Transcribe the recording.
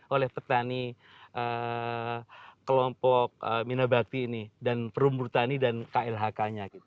oleh petani kelompok minabakti ini dan perumur tani dan klhk nya